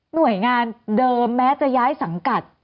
หน่วยงานเดิมแม้จะย้ายสังกัด